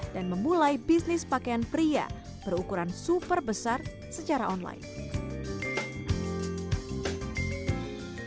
dan memulai bisnis pakaian pria berukuran super besar secara online